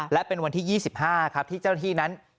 และเป็นวันที่๒๕ที่เจ้าที่นั้น